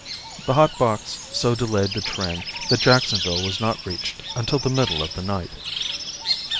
The hot box so delayed the train that Jacksonville was not reached until the middle of the night.